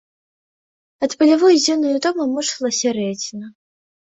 Ад палявой дзённай утомы мучыла сярэдзіна.